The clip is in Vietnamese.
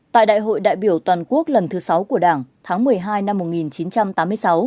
tại đại hội đại biểu toàn quốc lần thứ sáu của đảng tháng một mươi hai năm một nghìn chín trăm tám mươi sáu